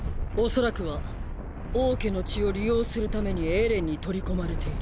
おそらくは王家の血を利用するためにエレンに取り込まれている。